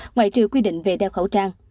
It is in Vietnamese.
ngoài trừ quy định về đeo khẩu trang